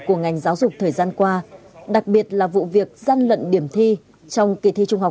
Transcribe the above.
của ngành giáo dục thời gian qua đặc biệt là vụ việc gian lận điểm thi trong kỳ thi trung học